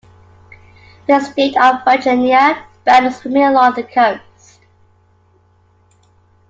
The State of Virginia banned swimming along the coast.